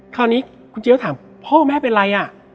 คราวนี้คุณเจี๊ยก็ถามพ่อแม่เป็นอะไรอ่ะ